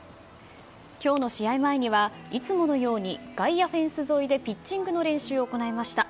きょうの試合前には、いつものように外野フェンス沿いでピッチングの練習を行いました。